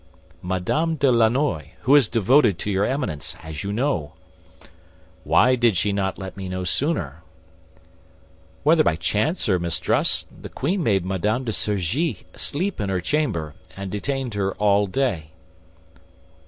"Madame de Lannoy, who is devoted to your Eminence, as you know." "Why did she not let me know sooner?" "Whether by chance or mistrust, the queen made Madame de Surgis sleep in her chamber, and detained her all day."